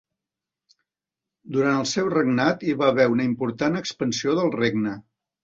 Durant el seu regnat hi va haver una important expansió del regne.